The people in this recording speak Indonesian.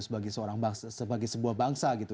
sebagai seorang bangsa sebagai sebuah bangsa gitu